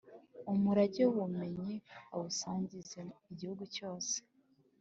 Umurage w’ubumenyi awusangize igihugu cyose